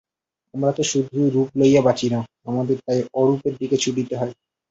আমরা তো শুধু রূপ লইয়া বাঁচি না, আমাদের তাই অরূপের দিকে ছুটিতে হয়।